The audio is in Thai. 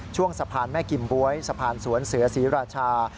ช่วงสะพานแม่กิมบ๊วยสะพานสวนเสือศรีราชา